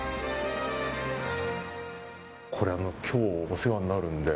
これ、今日お世話になるので。